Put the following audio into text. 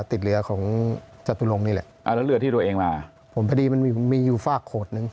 ติดเรือของจตุรงค์นี่แหละอ่าแล้วเรือที่ตัวเองมาผมพอดีมันมีมีอยู่ฝากโขดหนึ่ง